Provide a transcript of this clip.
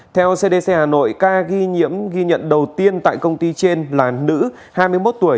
theo cdc hà nội ca ghi nhận đầu tiên tại công ty trên là nữ hai mươi một tuổi